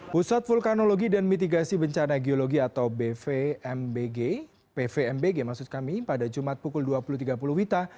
pusat vulkanologi dan mitigasi bencana geologi atau bvmbg pvmbg maksud kami pada jumat pukul dua puluh tiga puluh wita